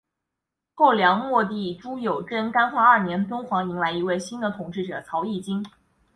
后梁末帝朱友贞干化二年敦煌迎来一位新的统治者曹议金。